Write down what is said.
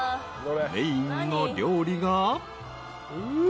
［メインの料理が］